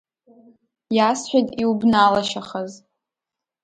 Иасҳәеит иубналашьахаз.